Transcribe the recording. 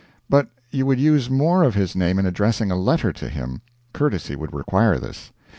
But you would use more of his name in addressing a letter to him; courtesy would require this.